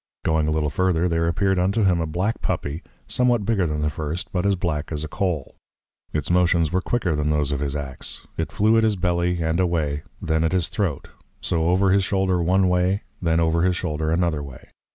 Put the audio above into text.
Going a little further, there appeared unto him a Black Puppy, somewhat bigger than the first, but as Black as a Cole. Its Motions were quicker than those of his Ax; it flew at his Belly, and away; then at his Throat; so, over his Shoulder one way, and then over his Shoulder another way.